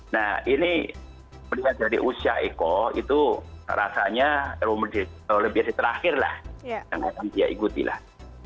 nah ini berdasarkan usia eko itu rasanya olimpiade terakhirlah yang akan dia ikuti lah